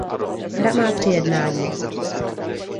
Hra má tři jednání.